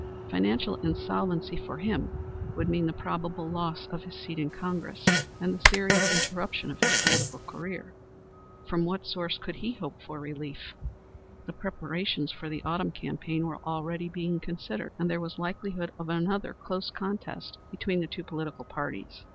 Financial insolvency for him would mean the probable loss of his seat in Congress, and the serious interruption of his political career. From what source could he hope for relief? The preparations for the autumn campaign were already being considered, and there was likelihood of another close contest between the two political parties.